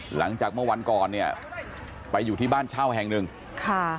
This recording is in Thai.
หลังจากเมื่อวันก่อนเนี่ยไปอยู่ที่บ้านเช่าแห่งหนึ่งค่ะ